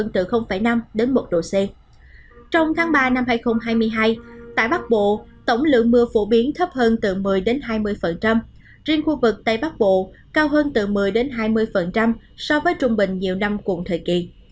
tại bắc bộ tổng lượng mưa phổ biến thấp hơn từ một mươi hai mươi riêng khu vực tây bắc bộ cao hơn từ một mươi hai mươi so với trung bình nhiều năm cuộn thời kỳ